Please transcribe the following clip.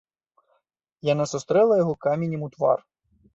Яна сустрэла яго каменем у твар.